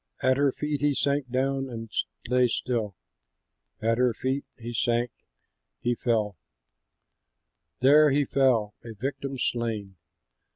At her feet he sank down and lay still, At her feet he sank, he fell; There he fell, a victim slain!